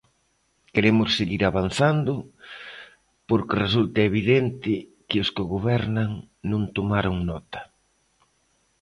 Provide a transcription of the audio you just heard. Queremos seguir avanzando, porque resulta evidente que os que gobernan non tomaron nota.